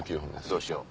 どうしよう。